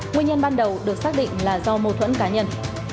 nguyên nhân ban đầu được xác định là do mâu thuẫn cá nhân